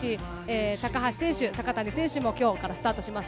高橋選手、高谷選手も今日からスタートします。